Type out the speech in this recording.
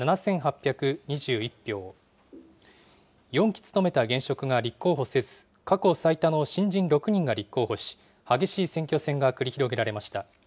４期務めた現職が立候補せず、過去最多の新人６人が立候補し、激しい選挙戦が繰り広げられました。